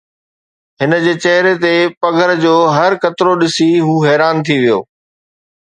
هن جي چهري تي پگهر جو هر قطرو ڏسي هو حيران ٿي ويو